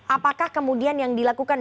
apakah kemudian yang dilakukan